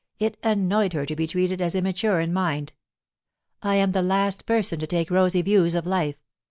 It annoyed her to be treated as immature in mind. "I am the last person to take rosy views of life.